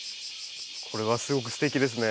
これはすごくステキですね。